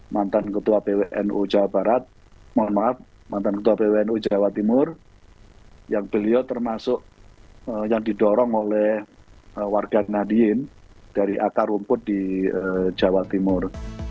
mantan ketua pwnu jawa timur yang beliau termasuk yang didorong oleh warga nadien dari akar rumput di jawa timur